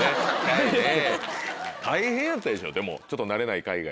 大変やったでしょでもちょっと慣れない海外で。